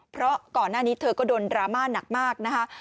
เพราะก่อนหน้านี้เธอก็โดนดราม่าหนักมากนะคะ